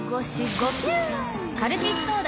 カルピスソーダ！